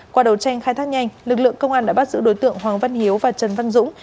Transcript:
qua đầu tranh khai thác nhanh lực lượng công an đã bắt giữ đối tượng hoàng văn hiếu và trần văn dũng